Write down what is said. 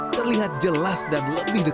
terlihat jelas dan luar biasa